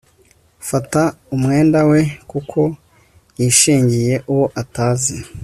fata umwenda we, kuko yishingiye uwo atazi